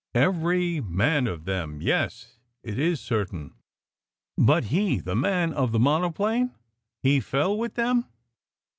"Every man of them, yes, it is certain." "But he the man of the monoplane? He fell with them?"